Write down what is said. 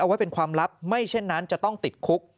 ไว้เป็นความลับไม่เช่นนั้นจะต้องติดคุก